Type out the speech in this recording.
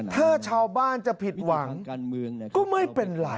ถ้าชาวบ้านจะผิดหวังก็ไม่เป็นไร